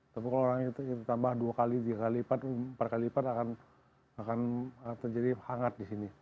tapi kalau orang itu ditambah dua kali tiga kali empat kali lipat akan menjadi hangat di sini